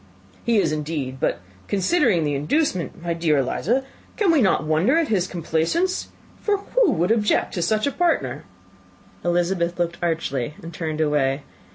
"He is, indeed: but considering the inducement, my dear Miss Eliza, we cannot wonder at his complaisance; for who would object to such a partner?" Elizabeth looked archly, and turned away.